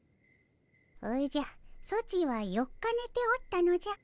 おじゃソチは４日ねておったのじゃ。